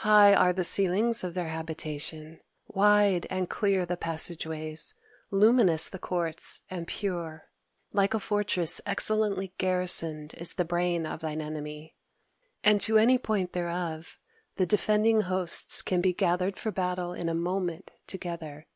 High are the ceilings of their habitation; wide and clear the passageways; luminous the courts and pure. Like a fortress excellently garrisoned is the brain of thine enemy; and to any point thereof the defending hosts can be gathered for battle in a moment together.